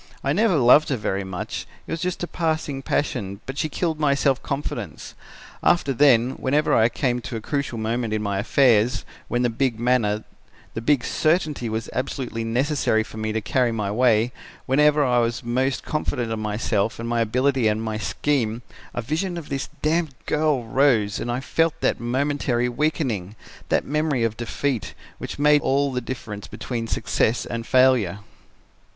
I never loved her very much, it was just a passing passion, but she killed my self confidence. After then, whenever I came to a crucial moment in my affairs, when the big manner, the big certainty was absolutely necessary for me to carry my way, whenever I was most confident of myself and my ability and my scheme, a vision of this damned girl rose and I felt that momentary weakening, that memory of defeat, which made all the difference between success and failure.